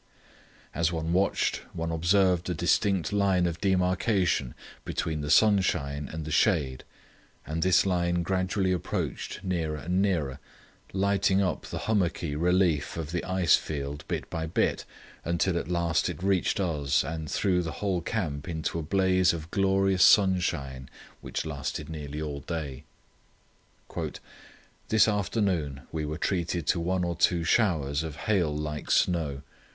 As one watched one observed a distinct line of demarcation between the sunshine and the shade, and this line gradually approached nearer and nearer, lighting up the hummocky relief of the ice field bit by bit, until at last it reached us, and threw the whole camp into a blaze of glorious sunshine which lasted nearly all day. "This afternoon we were treated to one or two showers of hail like snow.